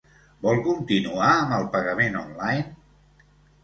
Vol continuar amb el pagament online?